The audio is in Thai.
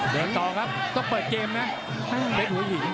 เดินต่อครับต้องเปิดเกมนะเพชรหัวหิน